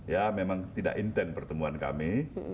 ya memang tidak intent pertemuan kami